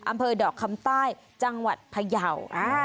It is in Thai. อำเภอดอกคำใต้จังหวัดพยาว